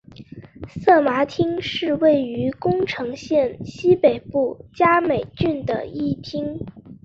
色麻町是位于宫城县西北部加美郡的一町。